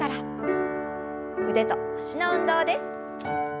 腕と脚の運動です。